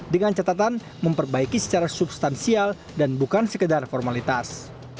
dengan catatan memperbaiki secara substansial dan bukan sekedar formalitas